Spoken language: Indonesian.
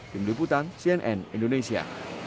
pemiliputan cnn indonesia